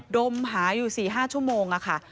ดมหาอยู่๔๕โชวงอ่ะค่ะ